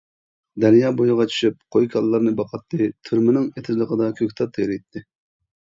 دەريا بويىغا چۈشۈپ قوي-كالىلارنى باقاتتى، تۈرمىنىڭ ئېتىزلىقىدا كۆكتات تېرىيتتى.